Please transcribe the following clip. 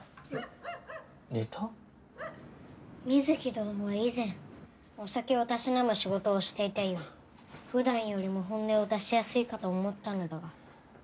美月どのは以前お酒をたしなむ仕事をしていたゆえ普段よりも本音を出しやすいかと思ったのだが。